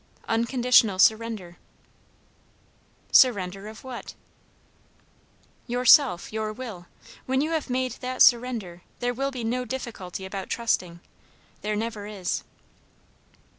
"Unconditional surrender." "Surrender of what?" "Yourself your will. When you have made that surrender, there will be no difficulty about trusting. There never is."